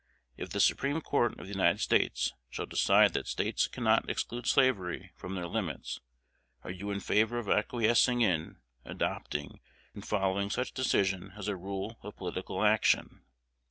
If the Supreme Court of the United States shall decide that States cannot exclude slavery from their limits, are you in favor of acquiescing in, adopting, and following such decision as a rule of political action?